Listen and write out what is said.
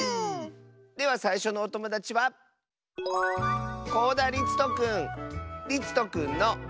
ではさいしょのおともだちはりつとくんの。